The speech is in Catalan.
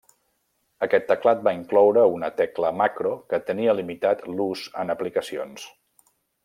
Aquest teclat va incloure una tecla Macro que tenia limitat l'ús en aplicacions.